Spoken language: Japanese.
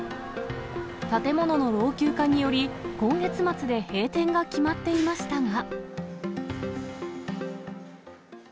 建物の老朽化により今月末で閉店が決まっていましたが。